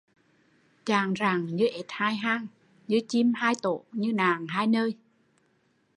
Chàng ràng như ếch hai hang, như chim hai tổ, như nàng hai nơi